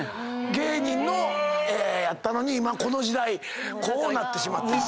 やったのに今この時代こうなってしまってる。